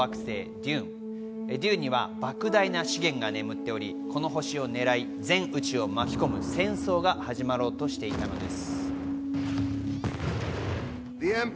デューンには莫大な資源が眠っており、この星を狙い全宇宙を巻き込む戦争が始まろうとしていたのです。